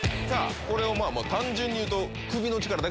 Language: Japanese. これを単純に言うと。